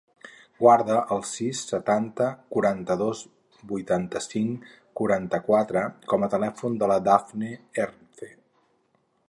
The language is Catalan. Guarda el sis, setanta, quaranta-dos, vuitanta-cinc, quaranta-quatre com a telèfon de la Dafne Herce.